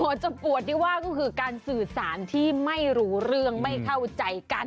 เจ็บปวดที่ว่าก็คือการสื่อสารที่ไม่รู้เรื่องไม่เข้าใจกัน